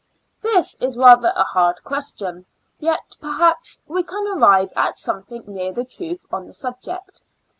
This is rather a hard question; yet, perhaps, we can arrive at something near the truth on the subject.